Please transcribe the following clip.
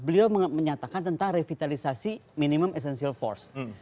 beliau menyatakan tentang revitalisasi minimum essential force